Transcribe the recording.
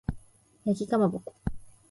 焼きかまぼこ